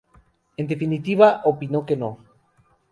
En definitiva, opinó que no.